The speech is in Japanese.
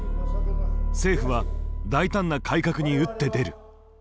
政府は大胆な改革に打って出る。